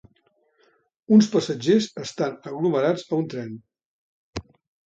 Uns passatgers estan aglomerats a un tren.